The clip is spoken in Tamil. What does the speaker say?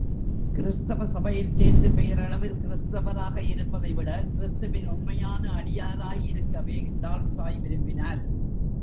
கிறிஸ்தவ சபையில் சேர்ந்து பெயரளவில் கிறிஸ்தவராகயிருப்பதைவிட, கிறிஸ்துவின் உண்மையான அடியாராயிருக்கவே டால்ஸ்டாய் விரும்பினார்.